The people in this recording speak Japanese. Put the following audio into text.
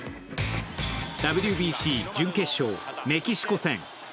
ＷＢＣ準決勝メキシコ戦。